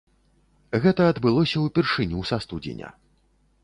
Гэта адбылося ўпершыню са студзеня.